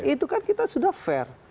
itu kan kita sudah fair